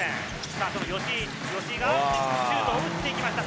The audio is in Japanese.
吉井、吉井がシュートを打っていきました。